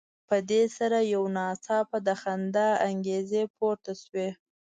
په دې سره یو ناڅاپه د خندا انګازې پورته شوې.